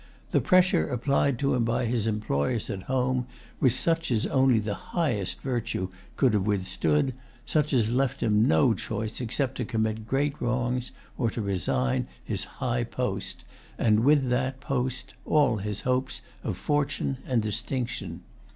The pressure applied to him by his employers at home was such as only the highest virtue could have withstood, such as left him no choice except to commit great wrongs, or to resign his high post, and with that post all his hopes of fortune and distinction.